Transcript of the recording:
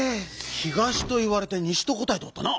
「東」といわれて「西」とこたえておったな！